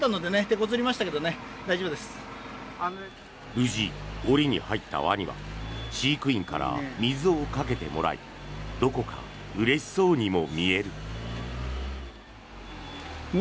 無事、檻に入ったワニは飼育員から水をかけてもらいどこかうれしそうにも見える。